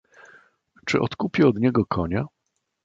"Czy odkupię od niego konia?"